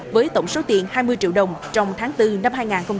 với tổng số tiền hai mươi triệu đồng trong tháng bốn năm hai nghìn hai mươi